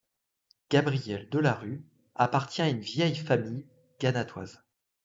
Gabriel Delarue appartient à une vieille famille gannatoise.